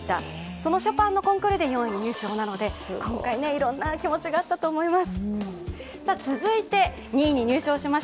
そのショパンのコンクールで４位入賞なので今回、いろいろな気持ちがあったと思います。